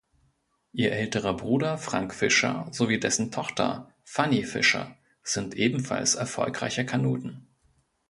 Ihr älterer Bruder Frank Fischer sowie dessen Tochter Fanny Fischer sind ebenfalls erfolgreiche Kanuten.